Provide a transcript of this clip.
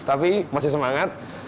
tapi masih semangat